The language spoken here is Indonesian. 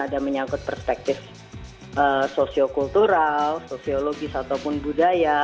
ada menyangkut perspektif sosiokultural sosiologis ataupun budaya